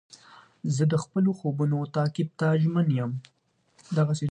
زه د خپلو خوبو تعقیب ته ژمن یم.